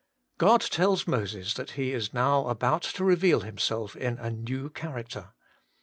God tells Moses that He is now about to reveal Himself in a new character.